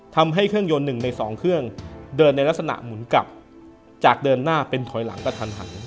ทำให้เครื่องยนต์๑ใน๒เครื่องเดินในลักษณะหมุนกลับจากเดินหน้าเป็นถอยหลังกระทันหัน